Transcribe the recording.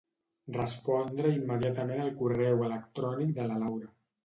Respondre immediatament el correu electrònic de la Laura.